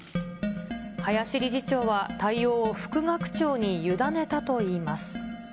林理事長は対応を副学長に委ねたといいます。